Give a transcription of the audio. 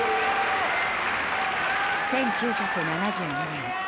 １９７２年